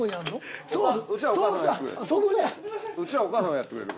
うちらお母さんがやってくれる。